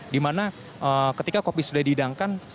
di mana ketika kopi sudah didangkan